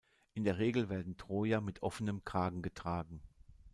In der Regel werden Troyer mit offenem Kragen getragen.